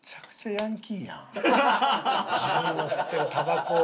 自分の吸ってるたばこを。